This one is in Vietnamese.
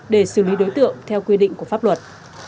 hai đối tượng theo quy định của pháp luật